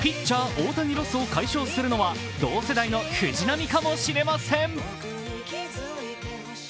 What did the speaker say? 大谷ロスを解消するのは同世代の藤浪かもしれません。